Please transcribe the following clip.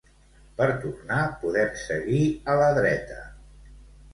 Per tornar podem seguir a la dreta